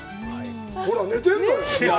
ほら、寝てるんだよ。